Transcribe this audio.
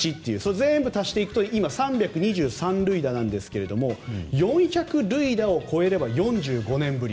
全部足すと３２３塁打なんですが４００塁打を超えれば４５年ぶり。